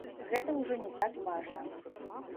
Гэта ўжо не так важна.